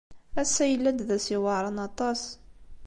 Ass-a yella-d d ass iweɛṛen aṭas.